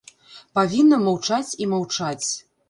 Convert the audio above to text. Павінна маўчаць і маўчаць.